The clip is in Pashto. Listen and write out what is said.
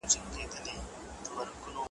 توبه لرم پر شونډو ماتوې یې او که نه ,